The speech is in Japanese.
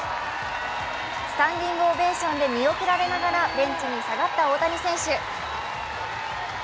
スタンディングオベーションで見送られながらベンチに下がった大谷選手。